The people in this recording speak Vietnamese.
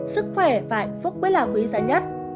sức khỏe và hạnh phúc mới là quý giá nhất